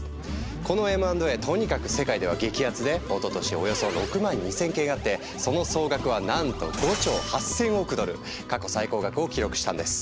このＭ＆Ａとにかく世界では激アツでおととしおよそ６万２，０００件あってその総額はなんと過去最高額を記録したんです。